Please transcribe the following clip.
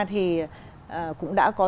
thì cũng đã có